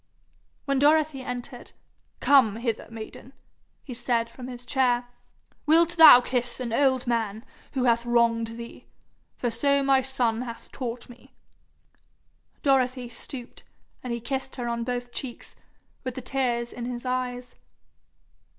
When Dorothy entered, 'Come hither, maiden,' he said from his chair. 'Wilt thou kiss an old man who hath wronged thee for so my son hath taught me?' Dorothy stooped, and he kissed her on both cheeks, with the tears in his eyes.